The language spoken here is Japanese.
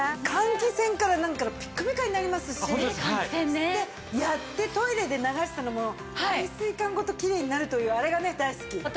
換気扇から何からピッカピカになりますしでやってトイレで流したのも排水管ごときれいになるというあれがね大好き。